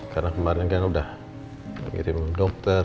karena kemarin kan udah ngirim dokter